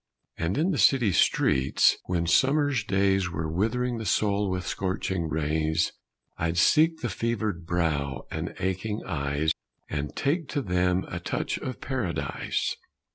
And in the city streets, when summer's days Were withering the souls with scorching rays, I'd seek the fevered brow and aching eyes And take to them a touch of Paradise.